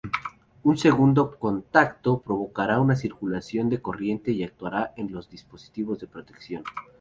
Un segundo contacto provocará una circulación de corriente y actuarán los dispositivos de protección.